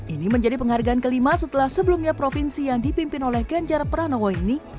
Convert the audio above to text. ini menjadi penghargaan kelima setelah sebelumnya provinsi yang dipimpin oleh ganjar pranowo ini